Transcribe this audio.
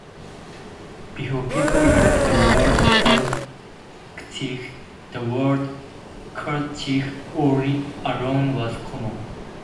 Before people used the word handkerchief, the word kerchief alone was common.